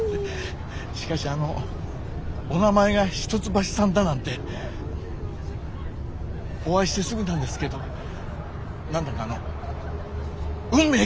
しかしあのお名前が一橋さんだなんてお会いしてすぐなんですけど何だかあの運命感じます。